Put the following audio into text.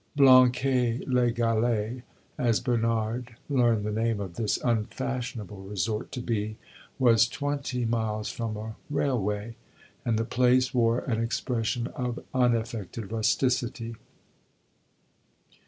Blanquais les Galets, as Bernard learned the name of this unfashionable resort to be, was twenty miles from a railway, and the place wore an expression of unaffected rusticity.